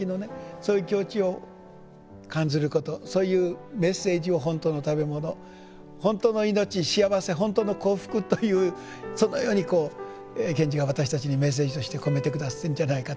そういう境地を感ずることそういうメッセージを「ほんたうのたべもの」「ほんたう」の命幸せ「ほんたう」の幸福というそのように賢治が私たちにメッセージとして込めて下さったんじゃないかと。